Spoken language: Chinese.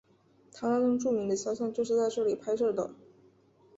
他那张著名的肖像就是在这里拍摄的。